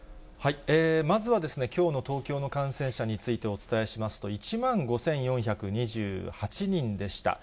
まずはきょうの東京の感染者について、お伝えしますと、１万５４２８人でした。